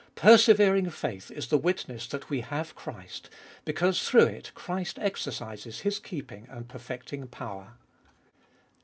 Persevering faith is the witness that we have Christ, because through it Christ exercises His keeping and perfecting power.